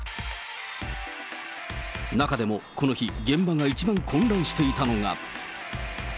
中でもこの日、現場が一番混乱していたのが。